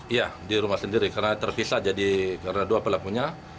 iya di rumah sendiri karena terpisah jadi karena dua pelakunya